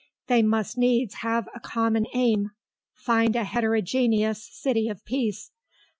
They must needs have a common aim, find a heterogeneous city of peace.